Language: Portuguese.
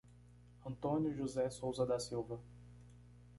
Antônio José Souza da Silva